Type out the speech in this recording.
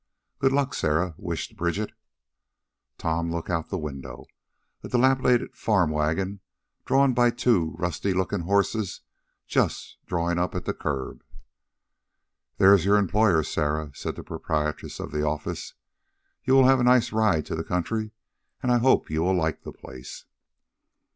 "Good luck, Sarah," wished Bridget. Tom looked out of the window. A dilapidated farm wagon, drawn by two rusty looking horses, just drawing up at the curb. "There is your employer, Sarah," said the proprietress of the office. "You will have a nice ride to the country and I hope you will like the place."